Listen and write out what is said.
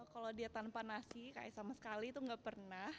kalau dia tanpa nasi kayak sama sekali itu nggak pernah